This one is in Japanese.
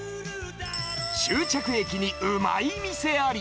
終着駅にウマい店あり！